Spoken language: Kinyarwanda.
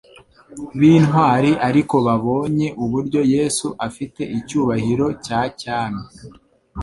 b'intwari ariko babonye uburyo Yesu afite icyubahiro cya cyami,